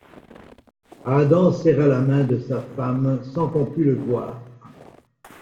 Adam serra la main de sa femme sans qu’on pût le voir.